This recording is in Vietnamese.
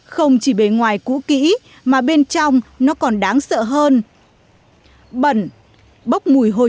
không chỉ bệnh viện nhưng cũng có các trường học